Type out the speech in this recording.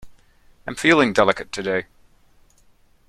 Am feeling delicate today.